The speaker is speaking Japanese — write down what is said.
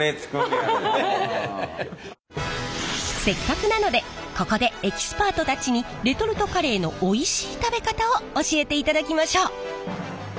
せっかくなのでここでエキスパートたちにレトルトカレーのおいしい食べ方を教えていただきましょう。